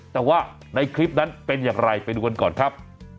แต่ว่าในคลิปนั้นเป็นอย่างไรไปดูกันก่อนครับ